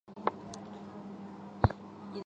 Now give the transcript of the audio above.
中文版由尖端出版社出版。